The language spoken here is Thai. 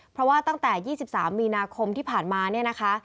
เพราะว่าตั้งแต่๒๓มีนาคมที่ผ่านมาเนี่ยนะคะ